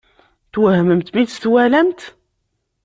Twehmemt mi tt-twalamt?